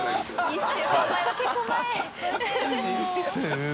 １週間前は結構前